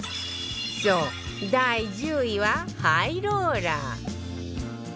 そう第１０位はハイローラー